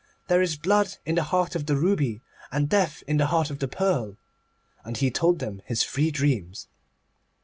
There is Blood in the heart of the ruby, and Death in the heart of the pearl.' And he told them his three dreams.